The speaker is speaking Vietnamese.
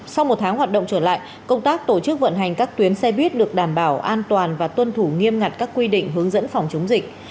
sau một tháng hoạt động trở lại công tác tổ chức vận hành các tuyến xe buýt được đảm bảo an toàn và tuân thủ nghiêm ngặt các quy định hướng dẫn phòng chống dịch